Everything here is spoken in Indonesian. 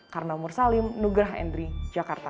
karna mursalim nugrah endri jakarta